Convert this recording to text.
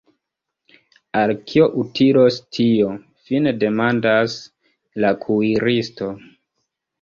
Al kio utilos tio?fine demandas la kuiristo.